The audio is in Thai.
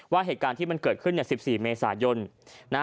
เหตุการณ์ที่มันเกิดขึ้น๑๔เมษายน